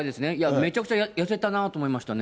めちゃくちゃ痩せたなと思いましたね。